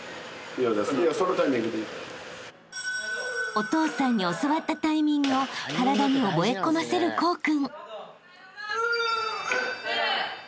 ［お父さんに教わったタイミングを体に覚え込ませる功君］